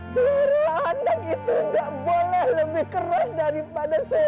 suara anak itu gak boleh lebih keras daripada suara lain